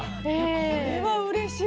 これはうれしい！